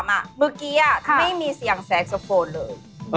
เมื่อกี้ไม่มีเสียงแสงโซโฟนเลย